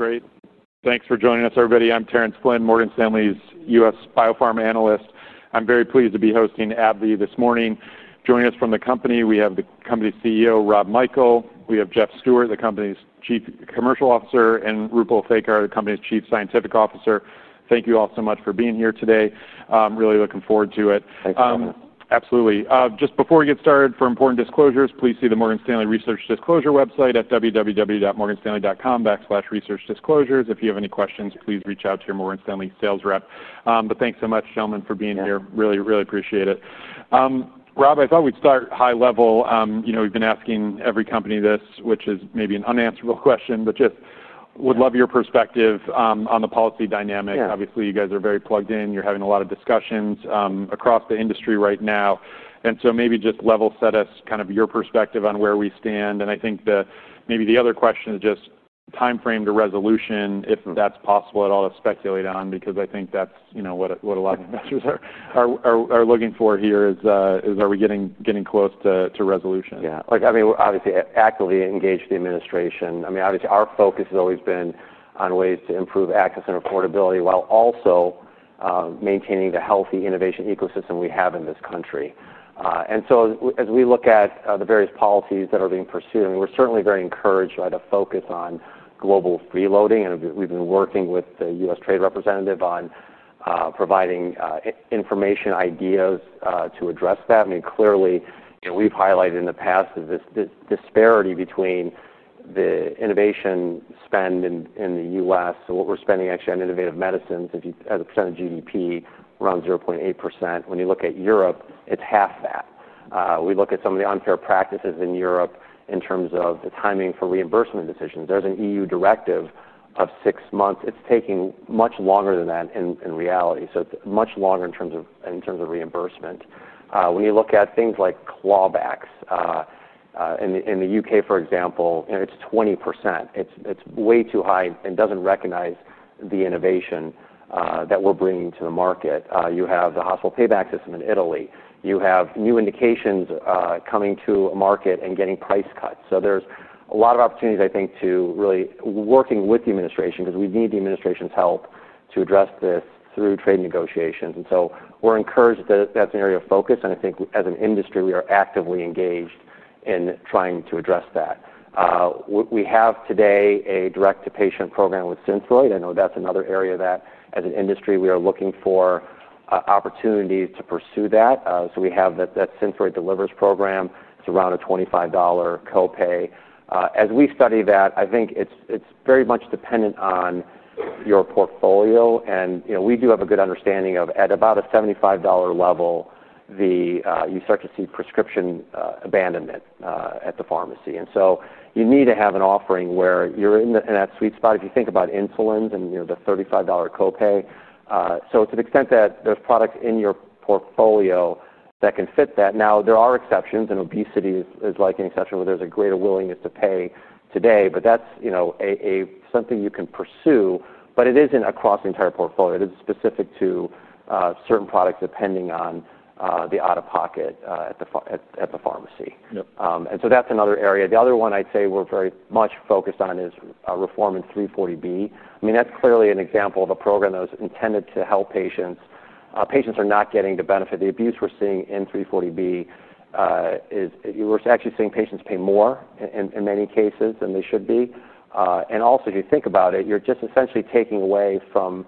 Great. Thanks for joining us, everybody. I'm Terence Flynn, Morgan Stanley's U.S. biopharma analyst. I'm very pleased to be hosting AbbVie this morning. Joining us from the company, we have the company CEO, Rob Michael. We have Jeff Stewart, the company's Chief Commercial Officer, and Roopal Thakkar, the company's Chief Scientific Officer. Thank you all so much for being here today. I'm really looking forward to it. Thanks, Terence. Absolutely. Just before we get started, for important disclosures, please see the Morgan Stanley Research Disclosure website at www.morganstanley.com/research-disclosures. If you have any questions, please reach out to your Morgan Stanley sales rep. Thanks so much, gentlemen, for being here. Really, really appreciate it. Rob, I thought we'd start high level. We've been asking every company this, which is maybe an unanswerable question, but would love your perspective on the policy dynamic. Obviously, you guys are very plugged in. You're having a lot of discussions across the industry right now. Maybe just level set us, kind of your perspective on where we stand. I think the other question is just time frame to resolution, if that's possible at all to speculate on, because I think that's what a lot of investors are looking for here. Are we getting close to resolution? Yeah. Obviously, actively engaged in the administration. Obviously, our focus has always been on ways to improve access and affordability while also maintaining the healthy innovation ecosystem we have in this country. As we look at the various policies that are being pursued, we're certainly very encouraged by the focus on global reloading. We've been working with the U.S. Trade Representative on providing information, ideas to address that. Clearly, we've highlighted in the past that this disparity between the innovation spend in the U.S. and what we're spending actually on innovative medicines as a percent of GDP, around 0.8%. When you look at Europe, it's half that. We look at some of the unfair practices in Europe in terms of the timing for reimbursement decisions. There's an EU directive of six months. It's taking much longer than that in reality, so much longer in terms of reimbursement. When you look at things like clawbacks, in the U.K., for example, it's 20%. It's way too high and doesn't recognize the innovation that we're bringing to the market. You have the hospital payback system in Italy. You have new indications coming to a market and getting price cuts. There's a lot of opportunities, I think, to really work with the administration because we need the administration's help to address this through trade negotiations. We're encouraged that that's an area of focus. I think as an industry, we are actively engaged in trying to address that. We have today a direct-to-patient program with Synthroid. I know that's another area that as an industry, we are looking for opportunities to pursue that. We have that Synthroid Delivers program. It's around a $25 copay. As we study that, I think it's very much dependent on your portfolio. We do have a good understanding of at about a $75 level, you start to see prescription abandonment at the pharmacy. You need to have an offering where you're in that sweet spot if you think about insulins and the $35 copay. To the extent that there's products in your portfolio that can fit that. There are exceptions, and obesity is like an exception where there's a greater willingness to pay today. That's something you can pursue, but it isn't across the entire portfolio. It is specific to certain products depending on the out-of-pocket at the pharmacy. That's another area. The other one I'd say we're very much focused on is reform in 340B. I mean, that's clearly an example of a program that was intended to help patients. Patients are not getting the benefit. The abuse we're seeing in 340B is we're actually seeing patients pay more in many cases than they should be. Also, if you think about it, you're just essentially taking away from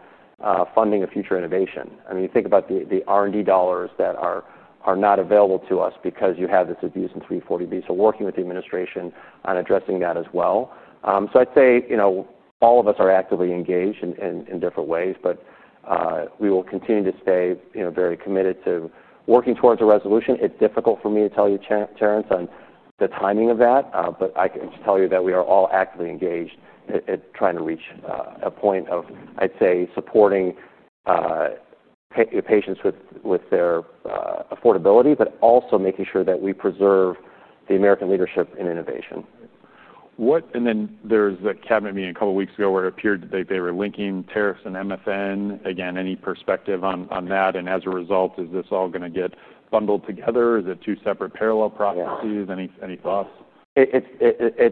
funding a future innovation. I mean, you think about the R&D dollars that are not available to us because you have this abuse in 340B. Working with the administration on addressing that as well. I'd say, you know, all of us are actively engaged in different ways, but we will continue to stay very committed to working towards a resolution. It's difficult for me to tell you, Terence, on the timing of that, but I can just tell you that we are all actively engaged in trying to reach a point of, I'd say, supporting patients with their affordability, but also making sure that we preserve the American leadership in innovation. There was the cabinet meeting a couple of weeks ago where it appeared that they were linking tariffs and MFN. Any perspective on that? As a result, is this all going to get bundled together? Is it two separate parallel processes? Any thoughts?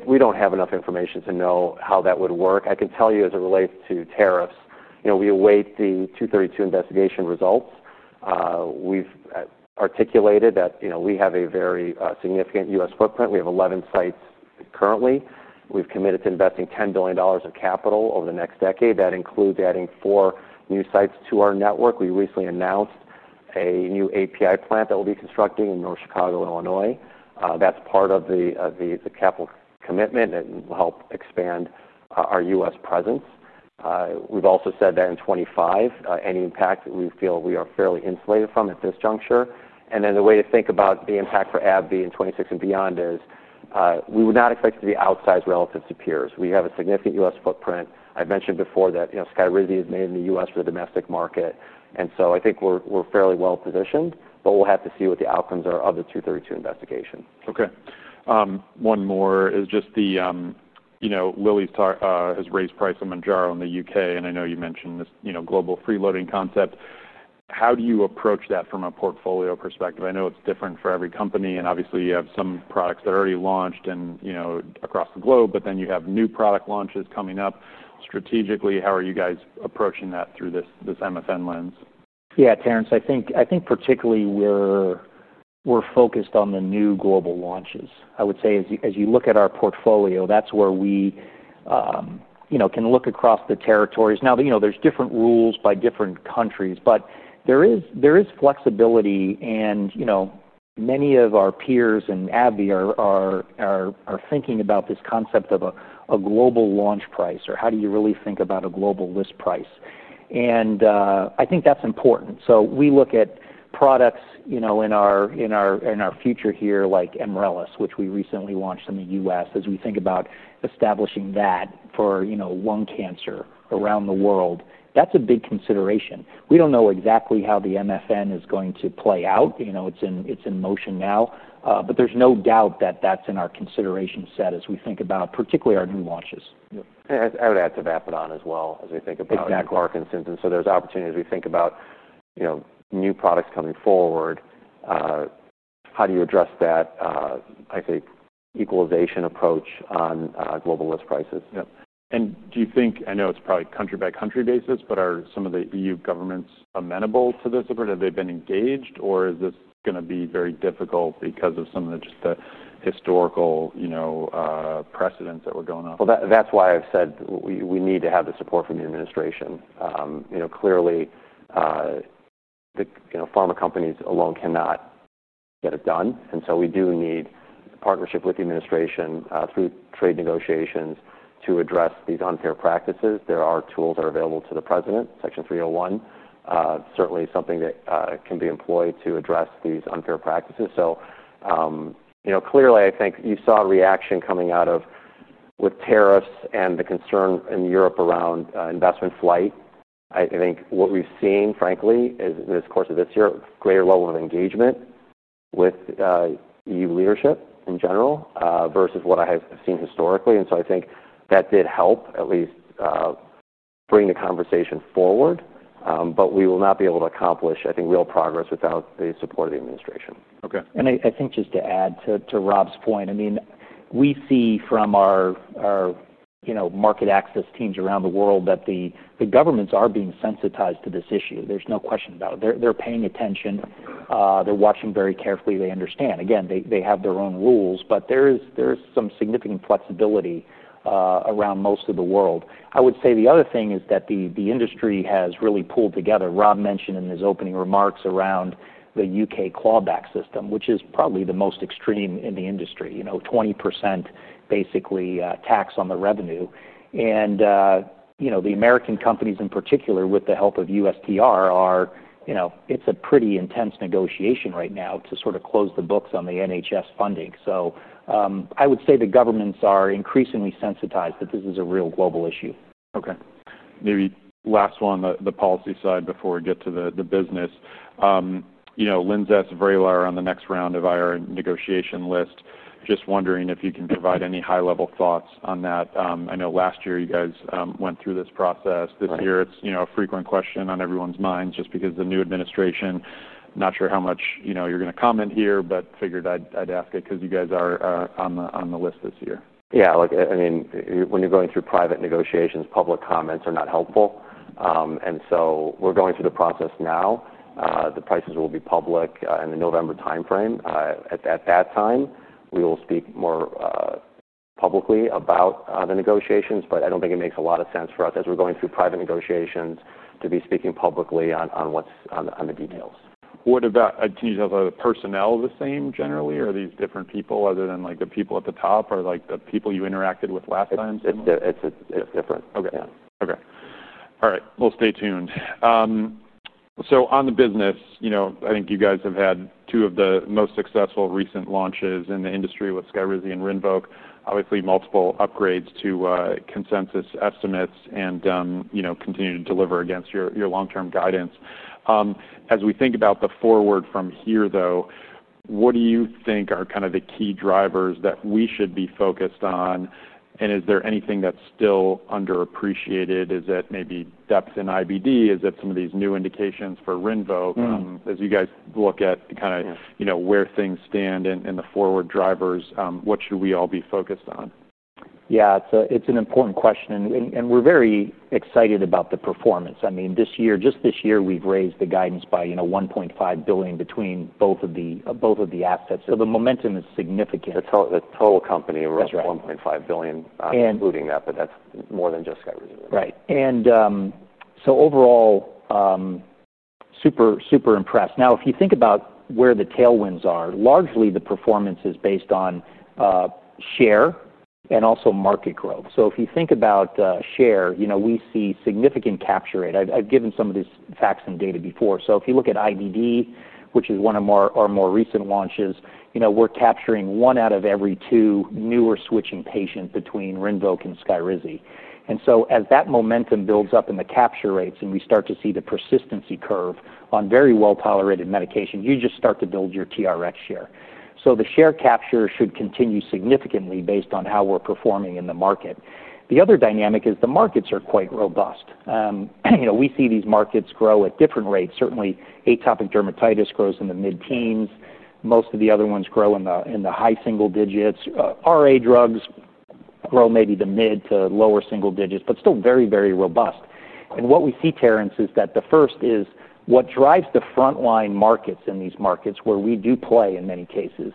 We don't have enough information to know how that would work. I can tell you as it relates to tariffs, we await the 232 investigation results. We've articulated that we have a very significant U.S. footprint. We have 11 sites currently. We've committed to investing $10 billion of capital over the next decade. That includes adding four new sites to our network. We recently announced a new API plant that will be constructed in North Chicago, Illinois. That's part of the capital commitment that will help expand our U.S. presence. We've also said that in 2025, any impact that we feel we are fairly insulated from at this juncture. The way to think about the impact for AbbVie in 2026 and beyond is we would not expect it to be outsized relative to peers. We have a significant U.S. footprint. I've mentioned before that Skyrizi is made in the U.S. for the domestic market. I think we're fairly well positioned, but we'll have to see what the outcomes are of the 232 investigation. Okay. One more is just, you know, Lilly has raised price on Manjaro in the U.K., and I know you mentioned this global freeloading concept. How do you approach that from a portfolio perspective? I know it's different for every company, and obviously you have some products that are already launched across the globe, but then you have new product launches coming up strategically. How are you guys approaching that through this MFN lens? Yeah, Terence, I think particularly we're focused on the new global launches. I would say as you look at our portfolio, that's where we can look across the territories. Now, there's different rules by different countries, but there is flexibility. Many of our peers in AbbVie are thinking about this concept of a global launch price, or how do you really think about a global list price? I think that's important. We look at products in our future here, like SKYRIZI, which we recently launched in the U.S., as we think about establishing that for lung cancer around the world. That's a big consideration. We don't know exactly how the MFN is going to play out. It's in motion now, but there's no doubt that that's in our consideration set as we think about particularly our new launches. I would add to that as well, as we think about Clark and Simpson. There are opportunities as we think about new products coming forward. How do you address that equalization approach on global list prices? Do you think, I know it's probably a country-by-country basis, but are some of the EU governments amenable to this effort? Have they been engaged, or is this going to be very difficult because of some of the historical precedents that we're going off? That's why I've said we need to have the support from the administration. Clearly, the pharma companies alone cannot get it done, and we do need partnership with the administration through trade negotiations to address these unfair practices. There are tools that are available to the president. Section 301 is certainly something that can be employed to address these unfair practices. Clearly, I think you saw a reaction coming out with tariffs and the concern in Europe around investment flight. I think what we've seen, frankly, in the course of this year is a greater level of engagement with EU leadership in general versus what I have seen historically. I think that did help at least bring the conversation forward. We will not be able to accomplish, I think, real progress without the support of the administration. Just to add to Rob's point, we see from our market access teams around the world that the governments are being sensitized to this issue. There's no question about it. They're paying attention. They're watching very carefully. They understand. They have their own rules, but there is some significant flexibility around most of the world. The other thing is that the industry has really pooled together. Rob mentioned in his opening remarks the U.K. clawback system, which is probably the most extreme in the industry, a 20% tax on the revenue. The American companies in particular, with the help of the U.S. Trade Representative, are in a pretty intense negotiation right now to close the books on the NHS funding. The governments are increasingly sensitized that this is a real global issue. Okay. Maybe last one on the policy side before we get to the business. You know, Linzess and VRAYLAR are on the next round of IRA negotiation list. Just wondering if you can provide any high-level thoughts on that. I know last year you guys went through this process. This year, it's a frequent question on everyone's minds just because of the new administration. Not sure how much you're going to comment here, but figured I'd ask it because you guys are on the list this year. Yeah, look, I mean, when you're going through private negotiations, public comments are not helpful. We're going through the process now. The prices will be public in the November timeframe. At that time, we will speak more publicly about the negotiations. I don't think it makes a lot of sense for us as we're going through private negotiations to be speaking publicly on the details. Can you tell us, are the personnel the same generally, or are these different people other than the people at the top or the people you interacted with last time? It's different. Okay. All right. We'll stay tuned. On the business, I think you guys have had two of the most successful recent launches in the industry with SKYRIZI and RINVOQ. Obviously, multiple upgrades to consensus estimates and continue to deliver against your long-term guidance. As we think about the forward from here, what do you think are kind of the key drivers that we should be focused on? Is there anything that's still underappreciated? Is it maybe depth in IBD? Is it some of these new indications for RINVOQ? As you guys look at where things stand in the forward drivers, what should we all be focused on? Yeah, it's an important question. We're very excited about the performance. This year, just this year, we've raised the guidance by $1.5 billion between both of the assets. The momentum is significant. The total company raised $1.5 billion, including that, but that's more than just SKYRIZI. Right. Overall, super, super impressed. Now, if you think about where the tailwinds are, largely the performance is based on share and also market growth. If you think about share, you know, we see significant capture rate. I've given some of these facts and data before. If you look at IBD, which is one of our more recent launches, you know, we're capturing one out of every two newer switching patients between RINVOQ and SKYRIZI. As that momentum builds up in the capture rates and we start to see the persistency curve on very well-tolerated medication, you just start to build your TRX share. The share capture should continue significantly based on how we're performing in the market. The other dynamic is the markets are quite robust. We see these markets grow at different rates. Certainly, atopic dermatitis grows in the mid-teens. Most of the other ones grow in the high single digits. RA drugs grow maybe the mid to lower single digits, but still very, very robust. What we see, Terence, is that the first is what drives the frontline markets in these markets where we do play in many cases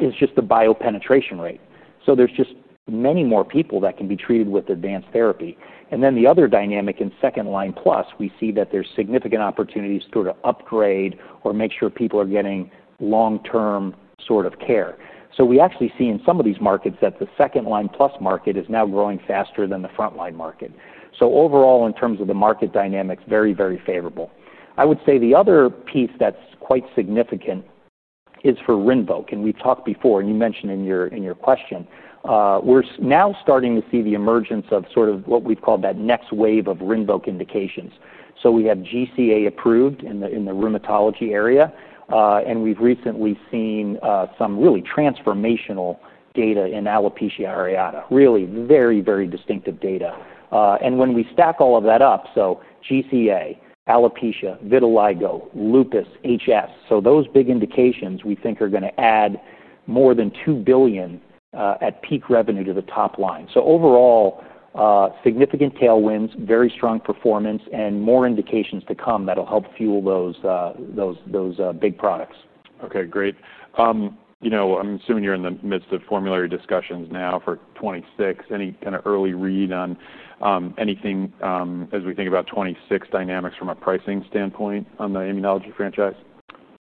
is just the biopenetration rate. There are just many more people that can be treated with advanced therapy. The other dynamic in second-line plus, we see that there's significant opportunities to upgrade or make sure people are getting long-term sort of care. We actually see in some of these markets that the second-line plus market is now growing faster than the frontline market. Overall, in terms of the market dynamics, very, very favorable. I would say the other piece that's quite significant is for RINVOQ. We've talked before, and you mentioned in your question, we're now starting to see the emergence of sort of what we've called that next wave of RINVOQ indications. We have GCA approved in the rheumatology area, and we've recently seen some really transformational data in alopecia areata, really very, very distinctive data. When we stack all of that up, so GCA, alopecia, vitiligo, lupus, HS, those big indications we think are going to add more than $2 billion at peak revenue to the top line. Overall, significant tailwinds, very strong performance, and more indications to come that'll help fuel those big products. Okay, great. I'm assuming you're in the midst of formulary discussions now for 2026. Any kind of early read on anything as we think about 2026 dynamics from a pricing standpoint on the immunology franchise?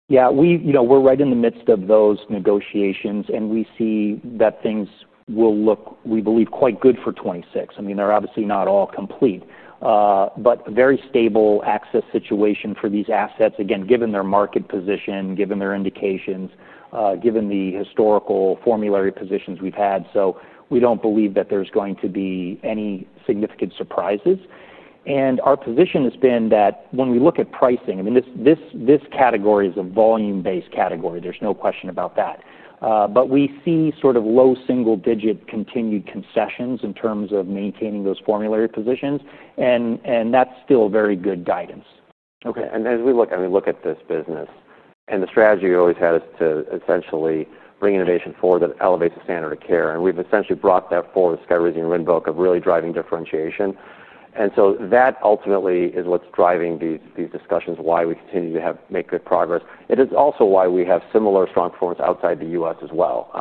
Yeah, we're right in the midst of those negotiations, and we see that things will look, we believe, quite good for 2026. I mean, they're obviously not all complete, but a very stable access situation for these assets, again, given their market position, given their indications, given the historical formulary positions we've had. We don't believe that there's going to be any significant surprises. Our position has been that when we look at pricing, I mean, this category is a volume-based category. There's no question about that. We see sort of low single-digit continued concessions in terms of maintaining those formulary positions, and that's still very good guidance. Okay. As we look at this business, the strategy we always had is to essentially bring innovation forward that elevates the standard of care. We've essentially brought that forward with SKYRIZI and RINVOQ, really driving differentiation. That ultimately is what's driving these discussions, why we continue to make good progress. It is also why we have similar strong performance outside the U.S. as well.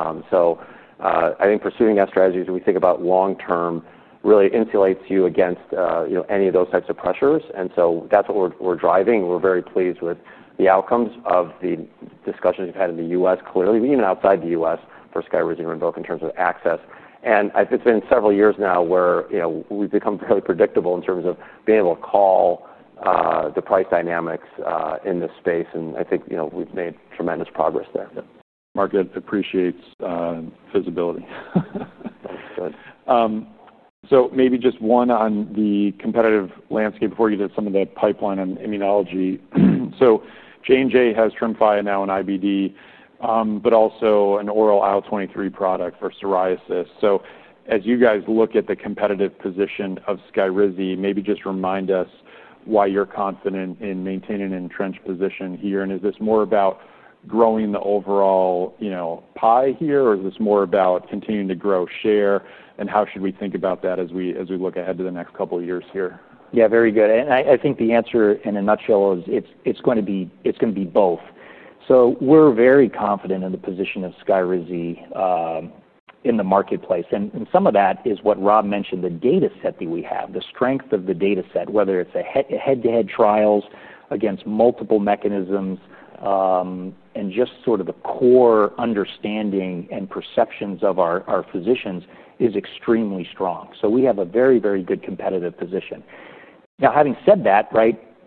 I think pursuing that strategy, as we think about long-term, really insulates you against any of those types of pressures. That's what we're driving. We're very pleased with the outcomes of the discussions we've had in the U.S., clearly, even outside the U.S. for SKYRIZI and RINVOQ in terms of access. It's been several years now where we've become fairly predictable in terms of being able to call the price dynamics in this space. I think we've made tremendous progress there. Market appreciates visibility. Maybe just one on the competitive landscape for you that some of the pipeline on immunology. J&J has TREMFYA now in IBD, but also an oral IL-23 product for psoriasis. As you guys look at the competitive position of SKYRIZI, maybe just remind us why you're confident in maintaining an entrenched position here. Is this more about growing the overall, you know, pie here, or is this more about continuing to grow share? How should we think about that as we look ahead to the next couple of years here? Yeah, very good. I think the answer in a nutshell is it's going to be both. We're very confident in the position of SKYRIZI in the marketplace. Some of that is what Rob mentioned, the data set that we have, the strength of the data set, whether it's head-to-head trials against multiple mechanisms, and just sort of the core understanding and perceptions of our physicians is extremely strong. We have a very, very good competitive position. Now, having said that,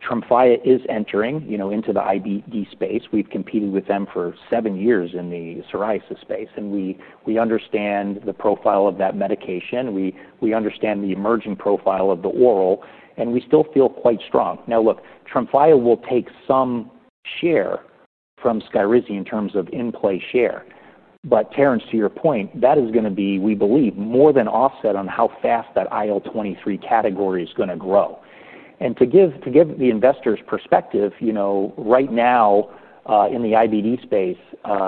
TREMFYA is entering into the IBD space. We've competed with them for seven years in the psoriasis space, and we understand the profile of that medication. We understand the emerging profile of the oral, and we still feel quite strong. TREMFYA will take some share from SKYRIZI in terms of in-play share. Terence, to your point, that is going to be, we believe, more than offset on how fast that IL-23 category is going to grow. To give the investors perspective, right now in the IBD space,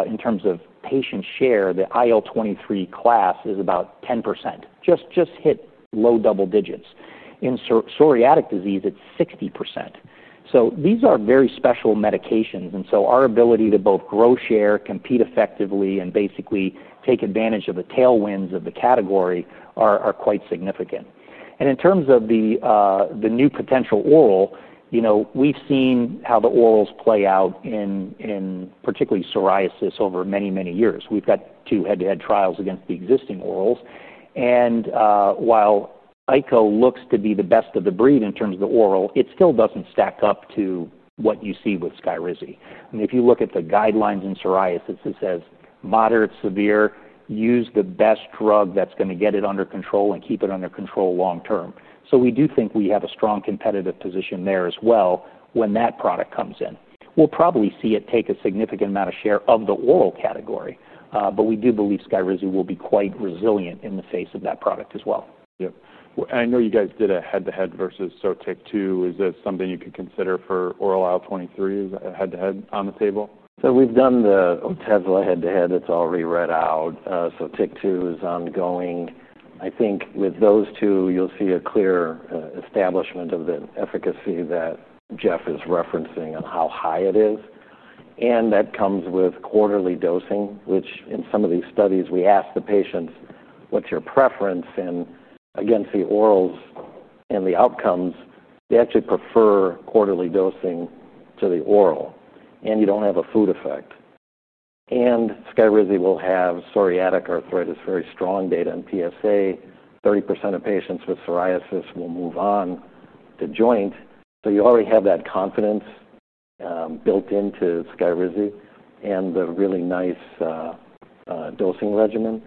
in terms of patient share, the IL-23 class is about 10%. Just hit low double digits. In psoriatic disease, it's 60%. These are very special medications. Our ability to both grow share, compete effectively, and basically take advantage of the tailwinds of the category are quite significant. In terms of the new potential oral, we've seen how the orals play out in particularly psoriasis over many, many years. We've got two head-to-head trials against the existing orals, and while Aiko looks to be the best of the breed in terms of the oral, it still doesn't stack up to what you see with SKYRIZI. If you look at the guidelines in psoriasis, it says moderate-severe, use the best drug that's going to get it under control and keep it under control long term. We do think we have a strong competitive position there as well when that product comes in. We'll probably see it take a significant amount of share of the oral category, but we do believe SKYRIZI will be quite resilient in the face of that product as well. Yep. I know you guys did a head-to-head versus TREMFYA. Is that something you could consider for oral IL-23 head-to-head on the table? We have done the Otezla head-to-head. It's all re-read out. SoTech2 is ongoing. I think with those two, you'll see a clear establishment of the efficacy that Jeff is referencing on how high it is. That comes with quarterly dosing, which in some of these studies, we ask the patients, what's your preference? Against the orals and the outcomes, they actually prefer quarterly dosing to the oral. You don't have a food effect. SKYRIZI will have psoriatic arthritis, very strong data on PSA. 30% of patients with psoriasis will move on to joint. You already have that confidence built into SKYRIZI and the really nice dosing regimen.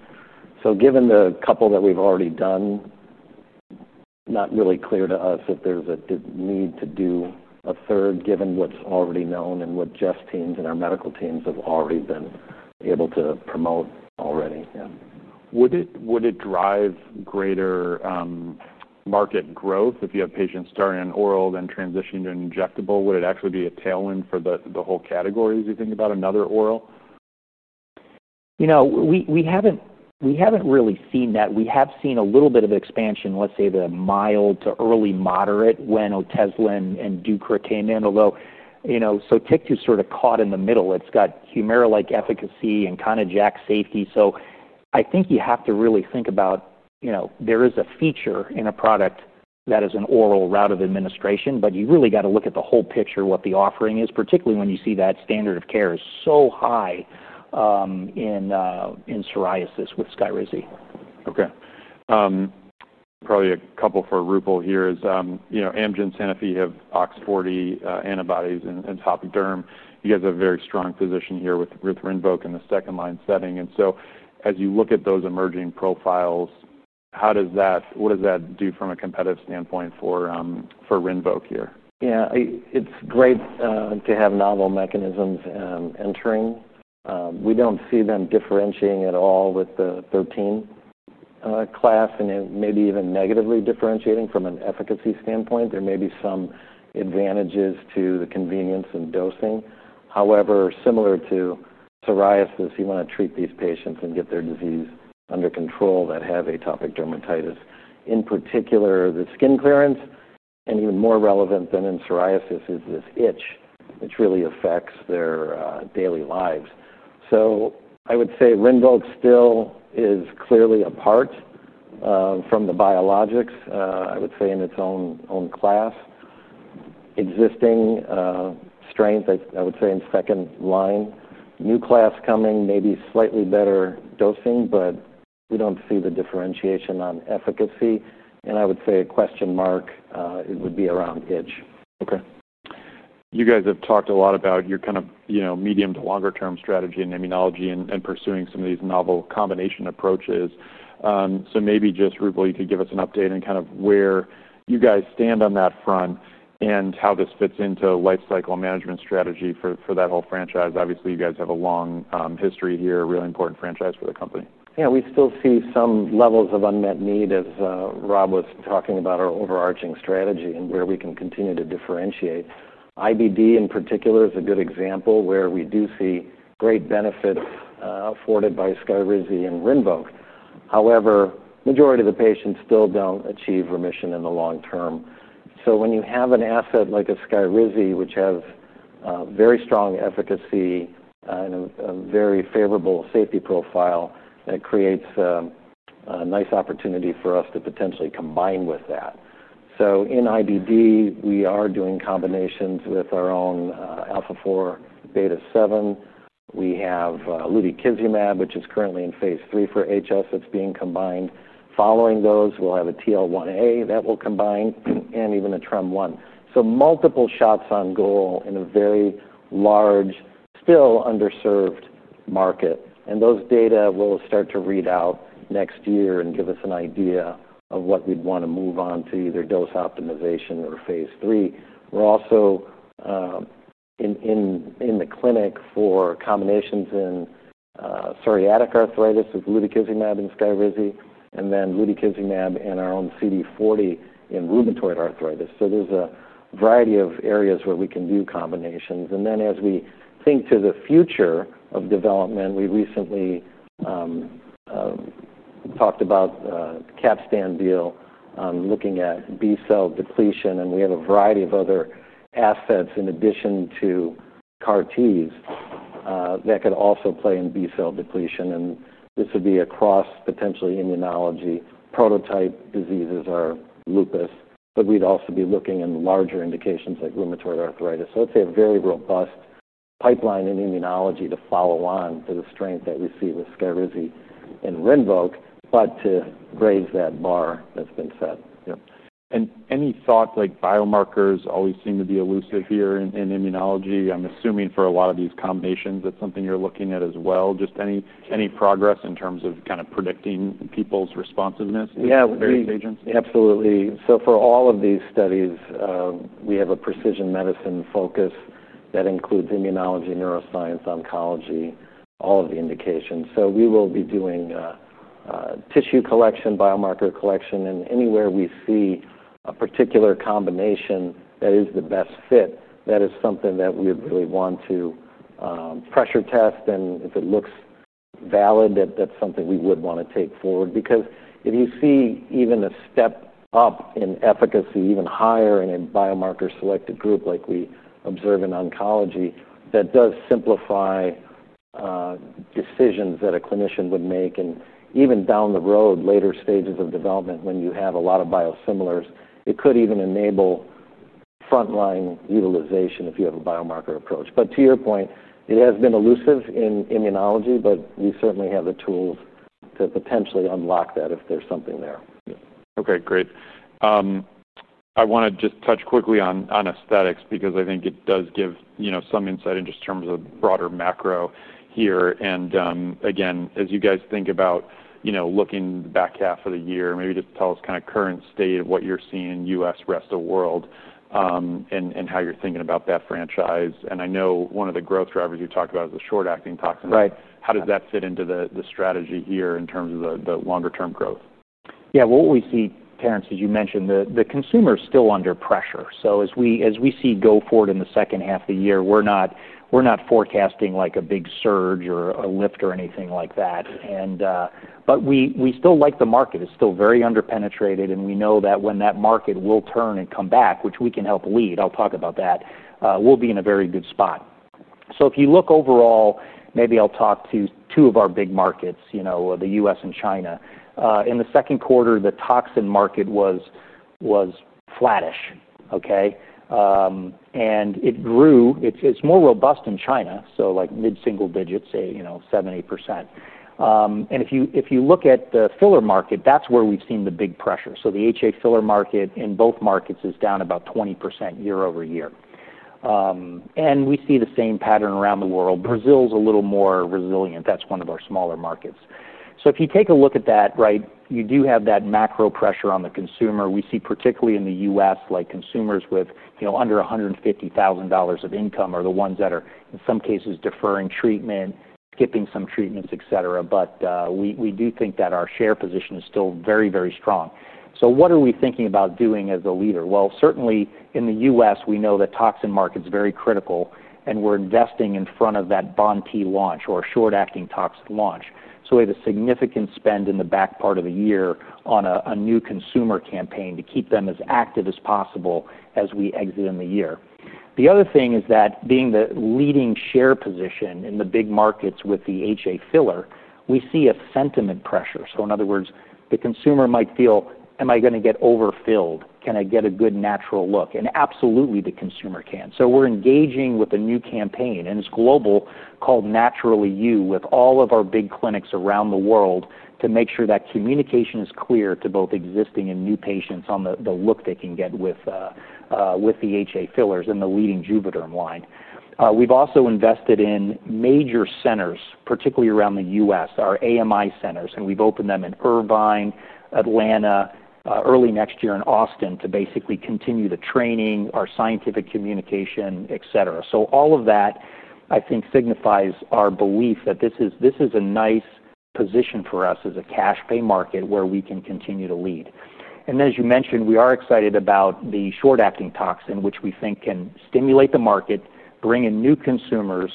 Given the couple that we have already done, it's not really clear to us if there's a need to do a third given what's already known and what Jeff's teams and our medical teams have already been able to promote already. Would it drive greater market growth if you have patients starting on oral and transitioning to injectable? Would it actually be a tailwind for the whole category as you think about another oral? You know, we haven't really seen that. We have seen a little bit of expansion, let's say the mild to early moderate when Otezla and Ducravacitinib came in. Although, you know, Sotyktu is sort of caught in the middle. It's got HUMIRA-like efficacy and Kineret safety. I think you have to really think about, you know, there is a feature in a product that is an oral route of administration, but you've really got to look at the whole picture, what the offering is, particularly when you see that standard of care is so high in psoriasis with SKYRIZI. Okay. Probably a couple for Roopal here. Amgen and Sanofi have OX40 antibodies in atopic derm. You guys have a very strong position here with RINVOQ in the second-line setting. As you look at those emerging profiles, what does that do from a competitive standpoint for RINVOQ here? Yeah, it's great to have novel mechanisms entering. We don't see them differentiating at all with the IL-13 class and maybe even negatively differentiating from an efficacy standpoint. There may be some advantages to the convenience and dosing. However, similar to psoriasis, you want to treat these patients and get their disease under control that have atopic dermatitis. In particular, the skin clearance, and even more relevant than in psoriasis, is this itch, which really affects their daily lives. I would say RINVOQ still is clearly apart from the biologics, I would say, in its own class. Existing strength, I would say, in second line. New class coming, maybe slightly better dosing, but we don't see the differentiation on efficacy. I would say a question mark, it would be around itch. Okay. You guys have talked a lot about your kind of, you know, medium to longer-term strategy in immunology and pursuing some of these novel combination approaches. Maybe just, Roopal, you could give us an update on kind of where you guys stand on that front and how this fits into lifecycle management strategy for that whole franchise. Obviously, you guys have a long history here, a really important franchise for the company. Yeah, we still see some levels of unmet need, as Rob was talking about our overarching strategy and where we can continue to differentiate. IBD in particular is a good example where we do see great benefit afforded by SKYRIZI and RINVOQ. However, the majority of the patients still don't achieve remission in the long term. When you have an asset like a SKYRIZI, which has very strong efficacy and a very favorable safety profile, that creates a nice opportunity for us to potentially combine with that. In IBD, we are doing combinations with our own Alpha-4, Beta-7. We have Lutikizumab, which is currently in phase three for hidradenitis suppurativa that's being combined. Following those, we'll have a TL1A that will combine and even a TREM1. Multiple shots on goal in a very large, still underserved market. Those data will start to read out next year and give us an idea of what we'd want to move on to, either dose optimization or phase three. We're also in the clinic for combinations in psoriatic arthritis with Lutikizumab and SKYRIZI, and then Lutikizumab and our own CD40 in rheumatoid arthritis. There's a variety of areas where we can do combinations. As we think to the future of development, we recently talked about the Capstan deal, looking at B-cell depletion. We have a variety of other assets in addition to CAR-Ts that could also play in B-cell depletion. This would be across potentially immunology. Prototype diseases are lupus, but we'd also be looking in larger indications like rheumatoid arthritis. It's a very robust pipeline in immunology to follow on to the strength that we see with SKYRIZI and RINVOQ, but to raise that bar that's been set. Yep. Any thought, like biomarkers always seem to be elusive here in immunology? I'm assuming for a lot of these combinations, that's something you're looking at as well. Just any progress in terms of kind of predicting people's responsiveness with various agents? Absolutely. For all of these studies, we have a precision medicine focus that includes immunology, neuroscience, oncology, all of the indications. We will be doing tissue collection, biomarker collection, and anywhere we see a particular combination that is the best fit, that is something that we would really want to pressure test. If it looks valid, that's something we would want to take forward because if you see even a step up in efficacy, even higher in a biomarker-selected group like we observe in oncology, that does simplify decisions that a clinician would make. Even down the road, later stages of development, when you have a lot of biosimilars, it could even enable frontline utilization if you have a biomarker approach. To your point, it has been elusive in immunology, but you certainly have the tools to potentially unlock that if there's something there. Okay, great. I want to just touch quickly on aesthetics because I think it does give some insight in just terms of the broader macro here. As you guys think about looking at the back half of the year, maybe just tell us kind of current state of what you're seeing in the U.S., rest of the world, and how you're thinking about that franchise. I know one of the growth drivers you talked about is the short-acting toxins. How does that fit into the strategy here in terms of the longer-term growth? Yeah, what we see, Terence, as you mentioned, the consumer is still under pressure. As we go forward in the second half of the year, we're not forecasting a big surge or a lift or anything like that. We still like the market. It's still very underpenetrated. We know that when that market will turn and come back, which we can help lead, I'll talk about that, we'll be in a very good spot. If you look overall, maybe I'll talk to two of our big markets, the U.S. and China. In the second quarter, the toxin market was flattish, and it grew. It's more robust in China, like mid-single digits, say, 7%, 8%. If you look at the filler market, that's where we've seen the big pressure. The HA filler market in both markets is down about 20% year over year. We see the same pattern around the world. Brazil's a little more resilient. That's one of our smaller markets. If you take a look at that, you do have that macro pressure on the consumer. We see particularly in the U.S., consumers with under $150,000 of income are the ones that are in some cases deferring treatment, skipping some treatments, etc. We do think that our share position is still very, very strong. What are we thinking about doing as a leader? Certainly in the U.S., we know the toxin market's very critical, and we're investing in front of that Bonty launch or short-acting toxin launch. We had a significant spend in the back part of the year on a new consumer campaign to keep them as active as possible as we exit the year. The other thing is that being the leading share position in the big markets with the HA filler, we see a sentiment pressure. In other words, the consumer might feel, am I going to get overfilled? Can I get a good natural look? Absolutely, the consumer can. We're engaging with a new campaign, and it's global, called Naturally You, with all of our big clinics around the world to make sure that communication is clear to both existing and new patients on the look they can get with the HA fillers and the leading Juvederm line. We've also invested in major centers, particularly around the U.S., our AMI centers. We've opened them in Irvine, Atlanta, early next year in Austin to basically continue the training, our scientific communication, etc. All of that, I think, signifies our belief that this is a nice position for us as a cash pay market where we can continue to lead. As you mentioned, we are excited about the short-acting toxin, which we think can stimulate the market, bring in new consumers,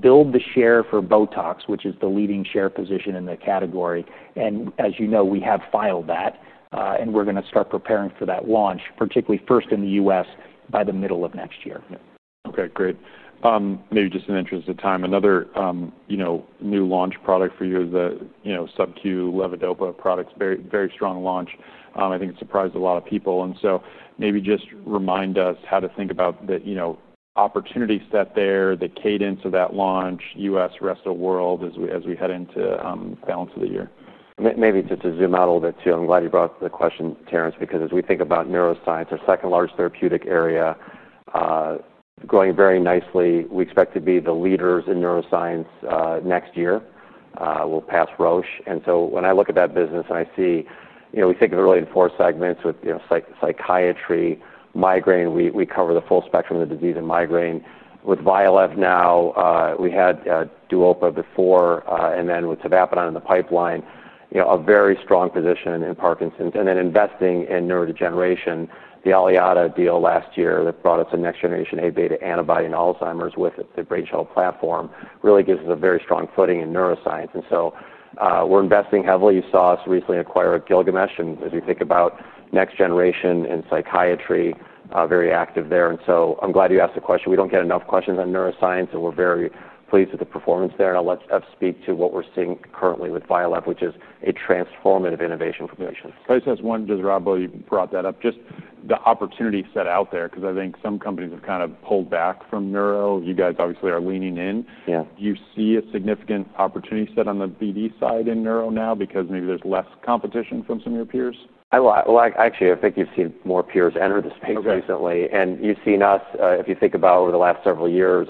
build the share for BOTOX, which is the leading share position in the category. As you know, we have filed that, and we're going to start preparing for that launch, particularly first in the U.S. by the middle of next year. Okay, great. Maybe just in the interest of time, another new launch product for you is the SubQ Levodopa product. It's a very, very strong launch. I think it surprised a lot of people. Maybe just remind us how to think about the opportunities that are there, the cadence of that launch, U.S., rest of the world as we head into the balance of the year. Maybe to zoom out a little bit too, I'm glad you brought up the question, Terence, because as we think about neuroscience, our second-largest therapeutic area growing very nicely, we expect to be the leaders in neuroscience next year. We'll pass Roche. When I look at that business and I see, you know, we think of it really in four segments with, you know, psychiatry, migraine. We cover the full spectrum of the disease and migraine. With Violev now, we had Duopa before, and then with tavapadon in the pipeline, you know, a very strong position in Parkinson's. Investing in neurodegeneration, the Aliada deal last year that brought us a next-generation A-beta antibody in Alzheimer's with the brain shuttle platform really gives us a very strong footing in neuroscience. We're investing heavily. You saw us recently acquire Gilgamesh. As we think about next generation in psychiatry, very active there. I'm glad you asked the question. We don't get enough questions on neuroscience, and we're very pleased with the performance there. I'll let Jeff speak to what we're seeing currently with Violev, which is a transformative innovation for patients. Rob, you brought that up, just the opportunity set out there, because I think some companies have kind of pulled back from neuro. You guys obviously are leaning in. You see a significant opportunity set on the BD side in neuro now because maybe there's less competition from some of your peers? I think you've seen more peers enter the space recently. You've seen us, if you think about over the last several years,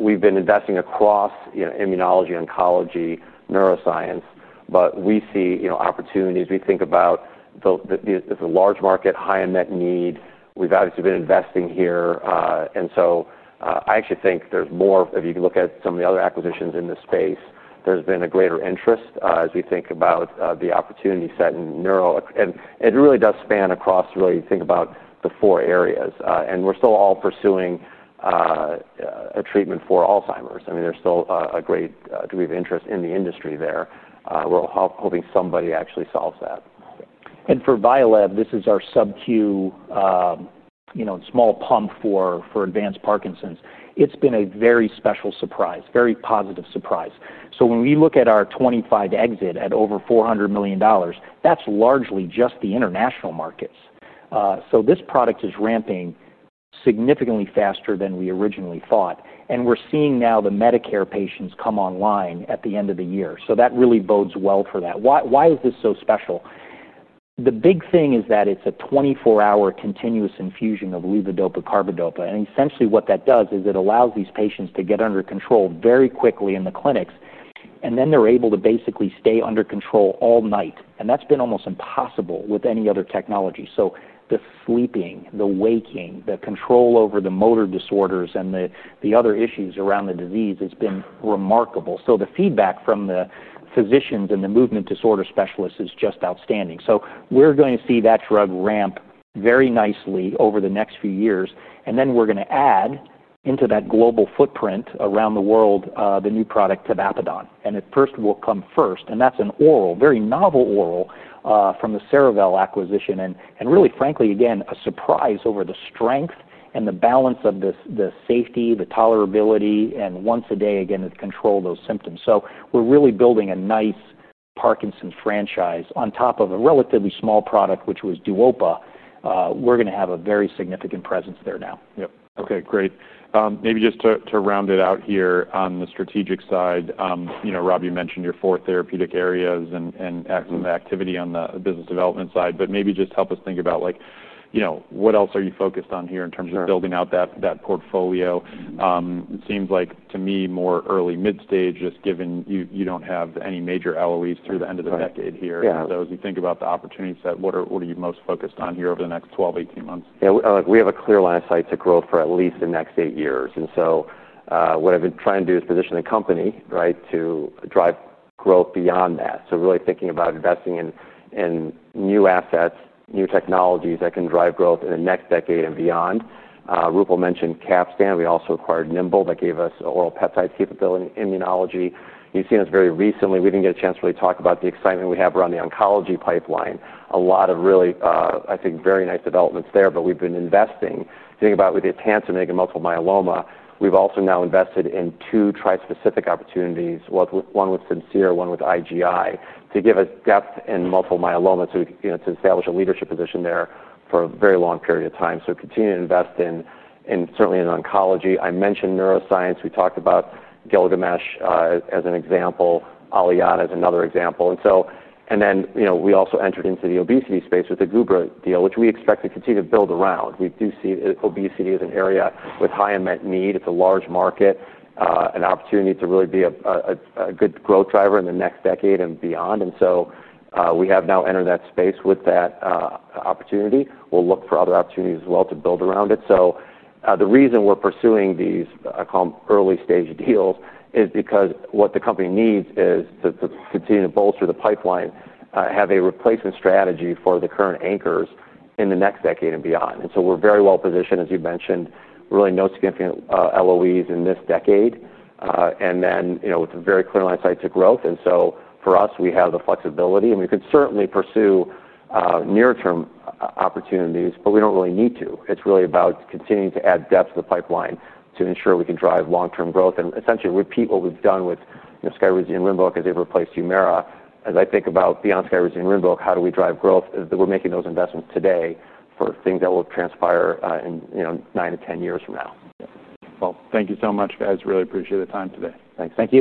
we've been investing across immunology, oncology, neuroscience, but we see opportunities. We think about the large market, high unmet need. We've obviously been investing here. I actually think there's more, if you can look at some of the other acquisitions in this space, there's been a greater interest as we think about the opportunity set in neuro. It really does span across, really, you think about the four areas. We're still all pursuing a treatment for Alzheimer's. There's still a great degree of interest in the industry there. We're hoping somebody actually solves that. For Violev, this is our subcutaneous, you know, small pump for advanced Parkinson's. It's been a very special surprise, very positive surprise. When we look at our 2025 exit at over $400 million, that's largely just the international markets. This product is ramping significantly faster than we originally thought. We're seeing now the Medicare patients come online at the end of the year. That really bodes well for that. Why is this so special? The big thing is that it's a 24-hour continuous infusion of levodopa-carbidopa. Essentially what that does is it allows these patients to get under control very quickly in the clinics, and then they're able to basically stay under control all night. That's been almost impossible with any other technology. The sleeping, the waking, the control over the motor disorders, and the other issues around the disease has been remarkable. The feedback from the physicians and the movement disorder specialists is just outstanding. We're going to see that drug ramp very nicely over the next few years. We're going to add into that global footprint around the world the new product, tavapadon. It will come first, and that's a very novel oral from the Cerevel acquisition. Really, frankly, again, a surprise over the strength and the balance of the safety, the tolerability, and once a day, again, to control those symptoms. We're really building a nice Parkinson's franchise on top of a relatively small product, which was Duopa. We're going to have a very significant presence there now. Okay, great. Maybe just to round it out here on the strategic side, you know, Rob, you mentioned your four therapeutic areas and some of the activity on the business development side, but maybe just help us think about like, you know, what else are you focused on here in terms of building out that portfolio? It seems like to me more early mid-stage, just given you don't have any major LOEs through the end of the decade here. As you think about the opportunity set, what are you most focused on here over the next 12-18 months? Yeah, we have a clear line of sight to growth for at least the next eight years. What I've been trying to do is position the company, right, to drive growth beyond that. Really thinking about investing in new assets, new technologies that can drive growth in the next decade and beyond. Roopal mentioned Capstan. We also acquired Nimble that gave us oral peptide capability in immunology. You've seen us very recently. We didn't get a chance to really talk about the excitement we have around the oncology pipeline. A lot of really, I think, very nice developments there, but we've been investing. If you think about it with the Tansin and the multiple myeloma, we've also now invested in two tri-specific opportunities, one with Sincere, one with IGI, to give us depth in multiple myeloma, to establish a leadership position there for a very long period of time. We continue to invest in oncology. I mentioned neuroscience. We talked about Gilgamesh as an example, Aliada as another example. We also entered into the obesity space with the Gubra deal, which we expect to continue to build around. We do see obesity as an area with high unmet need. It's a large market, an opportunity to really be a good growth driver in the next decade and beyond. We have now entered that space with that opportunity. We'll look for other opportunities as well to build around it. The reason we're pursuing these, I call them early-stage deals, is because what the company needs is to continue to bolster the pipeline, have a replacement strategy for the current anchors in the next decade and beyond. We're very well positioned, as you mentioned, really no significant LOEs in this decade. With a very clear line of sight to growth, for us, we have the flexibility, and we could certainly pursue near-term opportunities, but we don't really need to. It's really about continuing to add depth to the pipeline to ensure we can drive long-term growth and essentially repeat what we've done with SKYRIZI and RINVOQ as they've replaced Humira. As I think about beyond SKYRIZI and RINVOQ, how do we drive growth? We're making those investments today for things that will transpire in nine to ten years from now. Thank you so much, guys. Really appreciate the time today. Thanks.